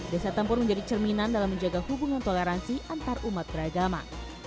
desa tempur menjadi cerminan dalam menjaga hubungan toleransi antarumat beragama